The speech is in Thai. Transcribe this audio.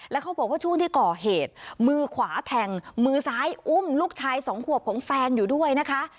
แล้วเขาบอกว่าช่วงที่ก่อเหตุมือขวาแทงมือซ้ายอุ้มลูกชายสองขวบของแฟนอยู่ด้วยนะคะ